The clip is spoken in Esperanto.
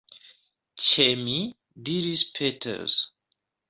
Ĉe mi, diris Peters.